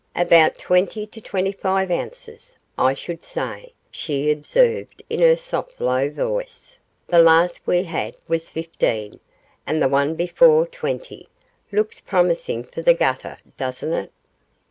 'About twenty to twenty five ounces, I should say,' she observed in her soft low voice; 'the last we had was fifteen, and the one before twenty looks promising for the gutter, doesn't it?